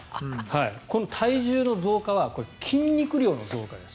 この体重の増加は筋肉量の増加です。